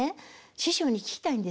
師匠に聞きたいんですよ。